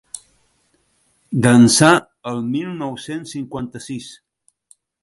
d'ençà el mil nou-cents cinquanta-sis